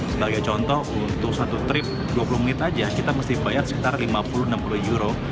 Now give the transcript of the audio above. sebagai contoh untuk satu trip dua puluh menit aja kita mesti bayar sekitar lima puluh enam puluh euro